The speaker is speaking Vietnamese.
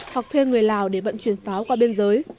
hoặc thuê người lào để vận chuyển pháo qua biên giới